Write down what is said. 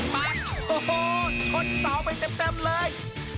ปั๊กโอ้โฮชนเสาไปเต็มเลย